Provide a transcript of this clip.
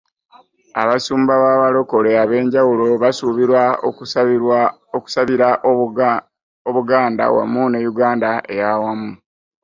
Abasumba b'abalokole ab'enjawulo basuubirwa okusabirwa obuganda wamu ne Uganda ey'awamu